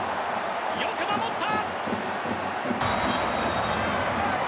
よく守った！